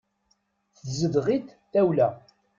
Tezdeɣ-it tawla.